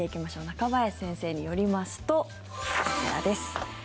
中林先生によりますとこちらです。